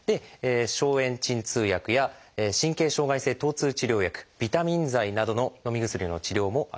消炎鎮痛薬や神経障害性とう痛治療薬ビタミン剤などののみ薬の治療もあります。